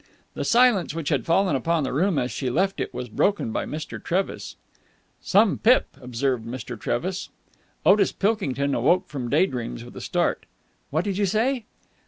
The silence which had fallen upon the room as she left it was broken by Mr. Trevis. "Some pip!" observed Mr. Trevis. Otis Pilkington awoke from day dreams with a start. "What did you say?"